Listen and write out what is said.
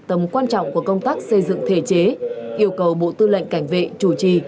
tầm quan trọng của công tác xây dựng thể chế yêu cầu bộ tư lệnh cảnh vệ chủ trì